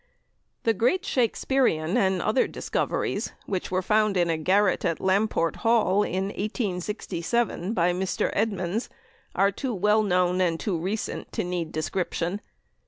The great Shakespearian and other discoveries, which were found in a garret at Lamport Hall in 1867 by Mr. Edmonds, are too well known and too recent to need description.